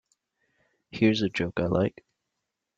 Here's a joke I like.